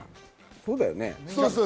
そうだよね？